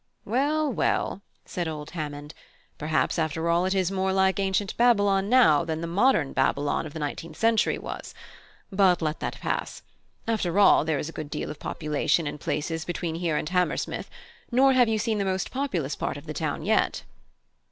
"Well, well," said old Hammond, "perhaps after all it is more like ancient Babylon now than the 'modern Babylon' of the nineteenth century was. But let that pass. After all, there is a good deal of population in places between here and Hammersmith; nor have you seen the most populous part of the town yet."